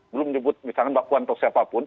belum nyebut misalkan mbak puan atau siapapun